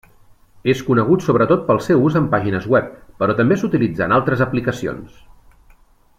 És conegut sobretot pel seu ús en pàgines web, però també s'utilitza en altres aplicacions.